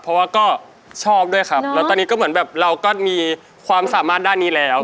เพราะว่าก็ชอบด้วยครับแล้วตอนนี้ก็เหมือนแบบเราก็มีความสามารถด้านนี้แล้ว